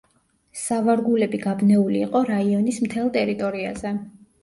სავარგულები გაბნეული იყო რაიონის მთელ ტერიტორიაზე.